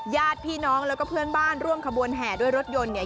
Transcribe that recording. ญาติพี่น้องแล้วก็เพื่อนบ้านร่วมขบวนแห่ด้วยรถยนต์เนี่ย